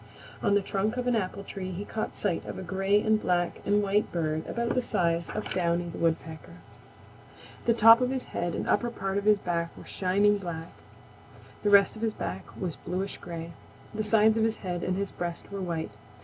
On the trunk of an apple tree he caught sight of a gray and black and white bird about the size of Downy the Woodpecker. The top of his head and upper part of his back were shining black. The rest of his back was bluish gray. The sides of his head and his breast were white.